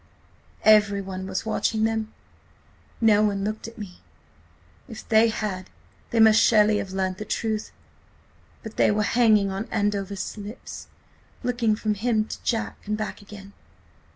"Everyone was watching them. .. no one looked at me. If they had they must surely have learnt the truth; but they were hanging on Andover's lips, looking from him to Jack and back again.